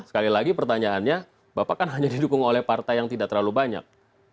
sekali lagi pertanyaannya bapak kan hanya didukung oleh partai yang tidak terlalu banyak